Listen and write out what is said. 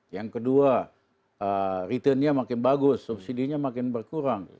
yang kedua return nya makin bagus subsidi nya makin berkurang